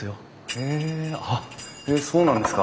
へえあっそうなんですか。